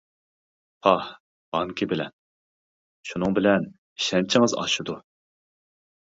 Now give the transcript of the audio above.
پاھ، بانكا بىلەن. شۇنىڭ بىلەن ئىشەنچىڭىز ئاشىدۇ.